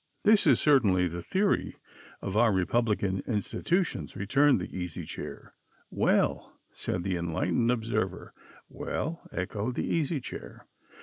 "That is certainly the theory of our republican institutions," returned the Easy Chair. "Well?" said the Enlightened Observer. "Well?" echoed the Easy Chair.